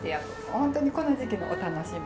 本当にこの時期のお楽しみ。